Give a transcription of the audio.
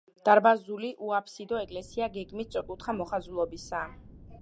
დარბაზული, უაბსიდო ეკლესია გეგმით სწორკუთხა მოხაზულობისაა.